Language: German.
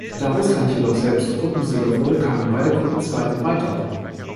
Da Russland jedoch selbst Gruppensieger wurde, kamen beide Gruppenzweiten weiter.